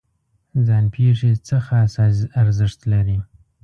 ځان پېښې څه خاص ارزښت لري؟